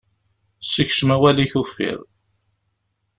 Sekcem awal-ik uffir.